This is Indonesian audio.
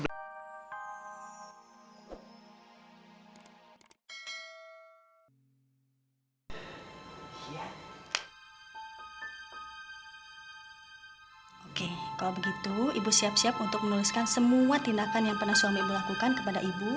oke kalau begitu ibu siap siap untuk menuliskan semua tindakan yang pernah suami ibu lakukan kepada ibu